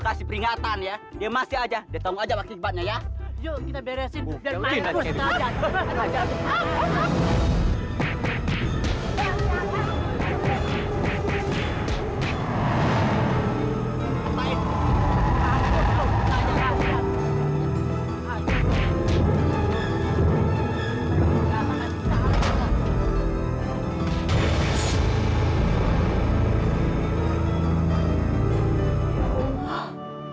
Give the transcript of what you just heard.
kasih peringatan ya ya masih aja ditemu aja maksimalnya ya yuk kita beresin dan main terus